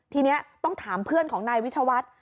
ทีนี้ต้องถามเพื่อนของนายวิทยาวัฒน์